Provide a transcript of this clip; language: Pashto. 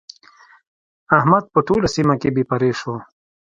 احمد په ټوله سيمه کې بې پردې شو.